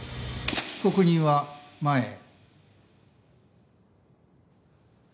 被告人は前へ。